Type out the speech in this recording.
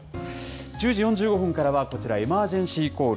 １０時４５分からはこちら、エマージェンシーコール。